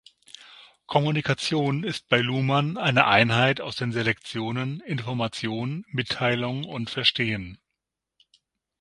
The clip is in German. Kommunikation ist bei Luhmann eine Einheit aus den Selektionen "Information", "Mitteilung" und "Verstehen".